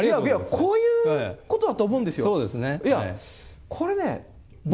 こういうことだと思うんですよ。